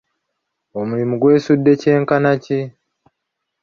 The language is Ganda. Omulimu gwesudde kyenkana ki?